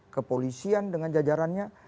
kepolisian dengan jajarannya